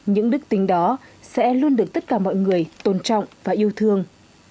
những đức tính đó sẽ luôn được tất cả mọi người tôn trọng và yêu thương